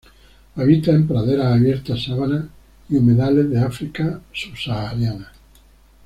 Habita en praderas abiertas, sabanas y humedales de África subsahariana.